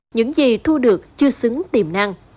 những gì thu được chưa xứng tiềm năng